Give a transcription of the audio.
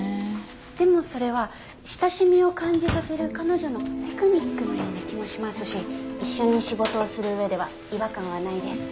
でもそれは親しみを感じさせる彼女のテクニックのような気もしますし一緒に仕事をする上では違和感はないです。